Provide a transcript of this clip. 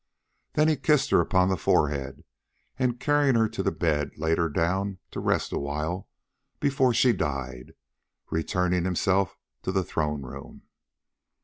Then he kissed her upon the forehead, and, carrying her to her bed, laid her down to rest awhile before she died, returning himself to the throne room.